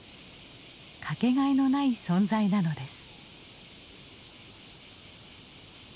かけがえのない存在なのです。